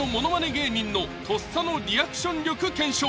芸人の咄嗟のリアクション力検証